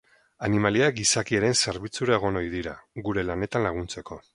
Animaliak gizakiaren zerbitzura egon ohi dira, gure lanetan laguntzeko.